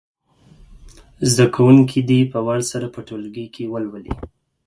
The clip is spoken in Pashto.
زده کوونکي دې په وار سره په ټولګي کې ولولي.